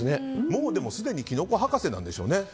もうでも、すでにきのこ博士なんでしょうね。